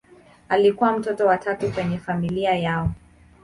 Alikuwa mtoto wa tatu kwenye familia yao.